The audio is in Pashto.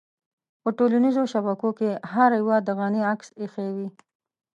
په ټولنيزو شبکو کې هر يوه د غني عکس اېښی وي.